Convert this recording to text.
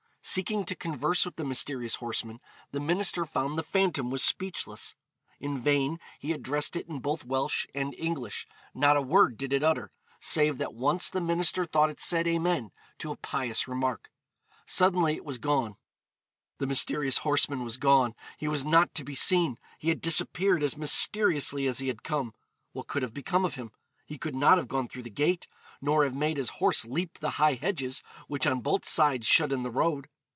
Seeking to converse with the mysterious horseman, the minister found the phantom was speechless. In vain he addressed it in both Welsh and English; not a word did it utter, save that once the minister thought it said 'Amen,' to a pious remark. Suddenly it was gone. 'The mysterious horseman was gone; he was not to be seen; he had disappeared as mysteriously as he had come. What could have become of him? He could not have gone through the gate, nor have made his horse leap the high hedges, which on both sides shut in the road.